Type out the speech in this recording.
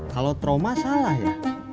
kalau trauma salah ya